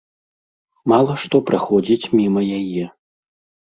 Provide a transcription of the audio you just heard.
Мала што праходзіць міма яе.